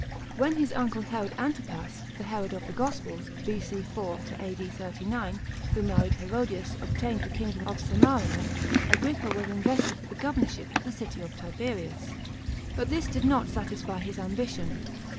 When his uncle Herod Antipas (the Herod of the Gospels), B.C. 4 A.D. 39, who married Herodias, obtained the kingdom of Samaria, Agrippa was invested with the governorship of the city of Tiberias. But this did not satisfy his ambition.